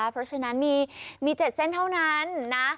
เพราะฉะนั้นมี๗เส้นเท่านั้นนะ